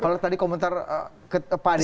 kalau tadi komentar pak andi